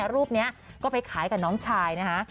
รูปนี้ก็ไปขายกับน้องชายนะคะ